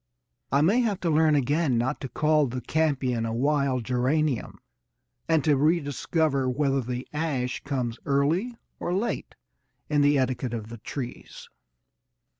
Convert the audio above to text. I may have to learn again not to call the campion a wild geranium, and to rediscover whether the ash comes early or late in the etiquette of the trees.